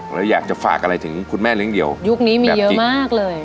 แล้วอยากจะฝากอะไรถึงคุณแม่เลี้ยงเดี่ยวยุคนี้มีเยอะมากเลย